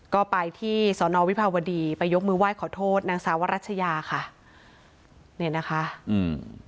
ก็ไปที่สอนอวิภาวดีไปยกมือไหว้ขอโทษนางสาวรัชยาค่ะเนี่ยนะคะอืม